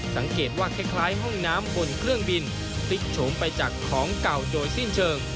สังเกตว่าคล้ายห้องน้ำบนเครื่องบินพลิกโฉมไปจากของเก่าโดยสิ้นเชิง